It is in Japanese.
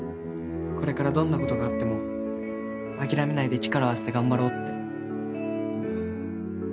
これからどんな事があっても諦めないで力を合わせて頑張ろうって。